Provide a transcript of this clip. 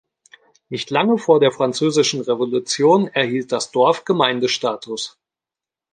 Nicht lange vor der Französischen Revolution erhielt das Dorf Gemeindestatus.